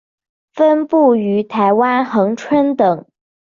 分布于台湾恒春等。